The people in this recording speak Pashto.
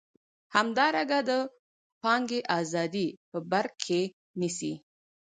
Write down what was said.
همدارنګه د پانګې ازادي په بر کې نیسي.